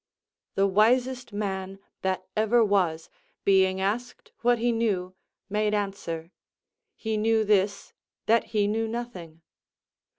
The wisest man that ever was, being asked what he knew, made answer, "He knew this, that he knew nothing."